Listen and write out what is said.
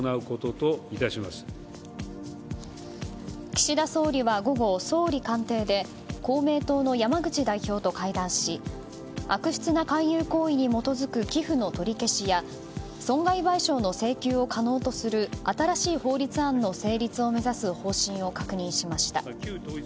岸田総理は午後、総理官邸で公明党の山口代表と会談し悪質な勧誘行為に基づく寄付の取り消しや損害賠償の請求を可能とする新しい法律案の成立を目指す方針を確認しました。